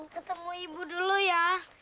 ketemu ibu dulu ya